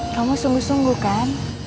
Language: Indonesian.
kamu sungguh sungguh kan